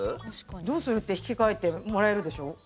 どうするって引き換えて、もらえるでしょ。